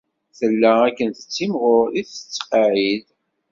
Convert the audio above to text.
Tella akken tettimɣur i tettqeεεid.